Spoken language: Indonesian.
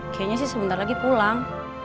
kayaknya sih sebentar lagi pulang